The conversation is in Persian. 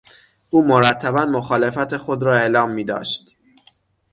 او مرتبا مخالفت خود را اعلام میداشت.